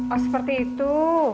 oh seperti itu